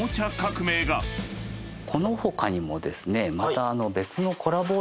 この他にもですねまた。